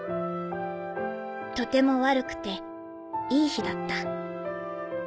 「とても悪くていい日だった。